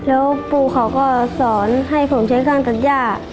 แล้วปู่เขาก็สอนให้ผมใช้ข้างตัดย่า